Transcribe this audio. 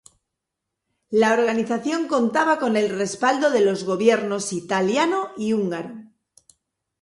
La organización contaba con el respaldo de los Gobiernos italiano y húngaro.